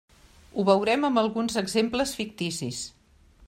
Ho veurem amb alguns exemples ficticis.